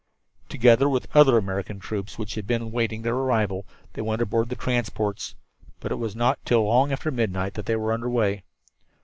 Together with other American troops which had been awaiting their arrival, they went aboard the transports, but it was not till long after midnight that they were under way.